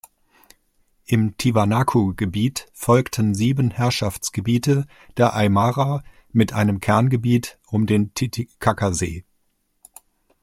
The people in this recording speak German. Im Tiwanaku-Gebiet folgten sieben Herrschaftsgebiete der Aymara mit einem Kerngebiet um den Titicaca-See.